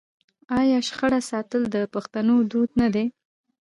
آیا شجره ساتل د پښتنو دود نه دی؟